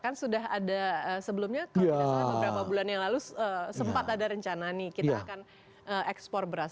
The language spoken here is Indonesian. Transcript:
kan sudah ada sebelumnya kalau tidak salah beberapa bulan yang lalu sempat ada rencana nih kita akan ekspor beras